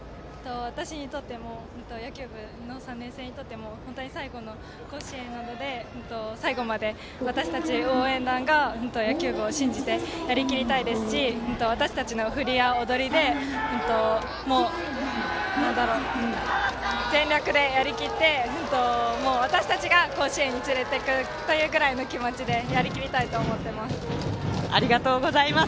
私にとっても野球部の３年生にとっても本当に最後の甲子園なので最後まで私たち応援団が野球部を信じてやりきりたいですし私たちも振りや踊りを全力でやりきって、私たちが甲子園に連れて行くぐらいの気持ちでありがとうございます。